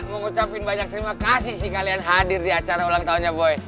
mengucapkan banyak terima kasih sih kalian hadir di acara ulang tahunnya boy